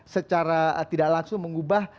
secara tidak langsung mengubah